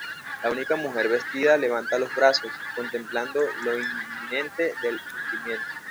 La única mujer vestida levanta los brazos, contemplando lo inminente del hundimiento.